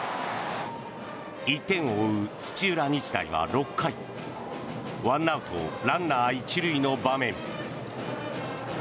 １点を追う土浦日大は６回１アウト、ランナー１塁の場面。